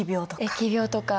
疫病とか。